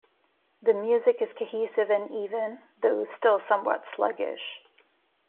The music is cohesive and even, though still somewhat sluggish.